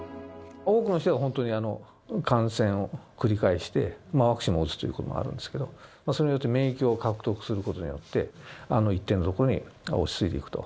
多くの人が本当に感染を繰り返して、ワクチンを打つということもあるんですけど、それによって免疫を獲得することによって、一定のところに落ち着いていくと。